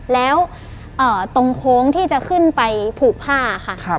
แล้วตรงโค้งที่จะขึ้นไปผูกผ้าค่ะ